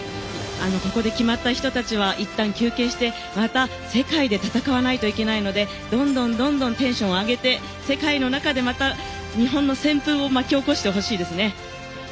ここで決まった人たちはいったん休憩してまた世界で戦わないといけないのでどんどんテンションを上げて世界の中でまた日本の旋風を巻き起こしてほしいですね。